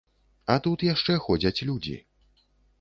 А тут яшчэ ходзяць людзі.